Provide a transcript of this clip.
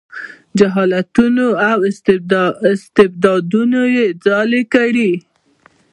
جهالتونو او استبدادونو یې ځالې کړي.